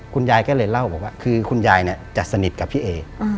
คุณยายก็เลยเล่าบอกว่าคือคุณยายจะสนิทกับพี่เอ